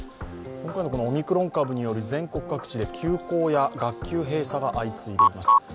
今回のオミクロン株による全国各地で休校や学級閉鎖が相次いでいます。